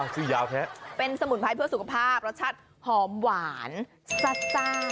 ชื่อยาวแพะเป็นสมุนไพรเพื่อสุขภาพรสชาติหอมหวานซ่า